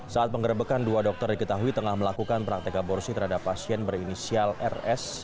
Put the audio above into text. saat pengerebekan dua dokter diketahui tengah melakukan praktek aborsi terhadap pasien berinisial rs